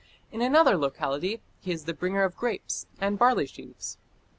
In another locality he is the bringer of grapes and barley sheaves.